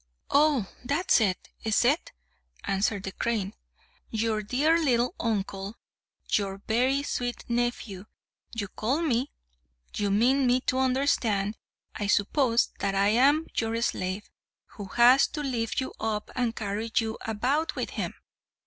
"Oh, that's it, is it?" answered the crane. "Your dear little uncle, your very sweet nephew, you call me! You mean me to understand, I suppose, that I am your slave, who has to lift you up and carry you about with him!